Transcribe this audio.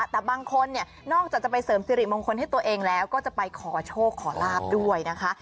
แต่บางคนเนี่ยนอกจากจะไปเสริมสิริมงคลให้ตัวเองแล้วก็จะไปขอโชคขอลาบด้วยนะคะ